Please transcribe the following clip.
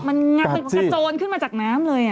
มันกะโจรขึ้นมาจากน้ำเลยอ่ะ